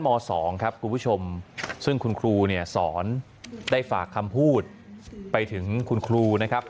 แม่ครูสอนได้ฝากคำพูดไปถึงคุณครูนะครับ